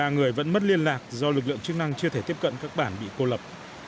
ba người vẫn mất liên lạc do lực lượng chức năng chưa thể tiếp cận các bản bị cô lập